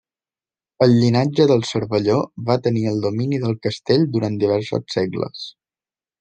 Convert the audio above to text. El llinatge dels Cervelló va tenir el domini del castell durant diversos segles.